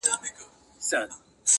رانه هېريږي نه خيالونه هېرولاى نه ســم.